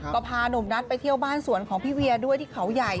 ก็พาหนุ่มนัทไปเที่ยวบ้านสวนของพี่เวียด้วยที่เขาใหญ่